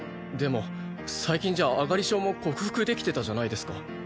でも最近じゃあがり症も克服できてたじゃないですか。